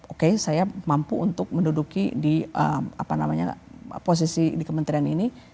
oke saya mampu untuk menduduki di posisi di kementerian ini